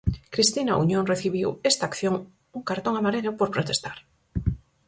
Cristina Auñón recibiu esta acción un cartón amarelo por protestar.